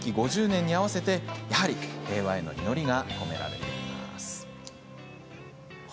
５０年に合わせてやはり平和への願いが込められています。